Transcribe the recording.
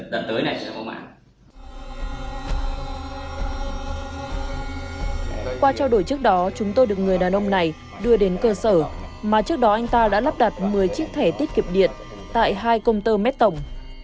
qua trao đổi trước đó chúng tôi được người đàn ông này đưa đến cơ sở mà trước đó anh ta đã lắp đặt một mươi chiếc thẻ tiết kiệm điện tại hai công tơ med tổng